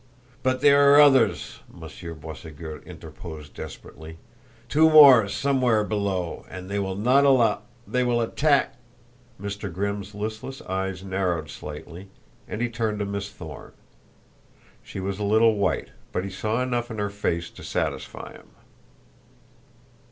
"But there are others," Monsieur Boisségur interposed desperately, "two more somewhere below, and they will not allow they will attack !" Mr. Grimm's listless eyes narrowed slightly and he turned to Miss Thorne. She was a little white, but he saw enough in her face to satisfy him.